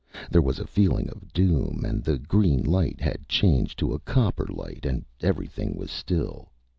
There was a feeling of doom and the green light had changed to a copper light and everything was still.